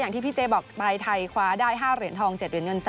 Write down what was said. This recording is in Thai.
อย่างที่พี่เจ๊บอกปลายไทยคว้าได้๕เดียนทอง๗เดียนเงิน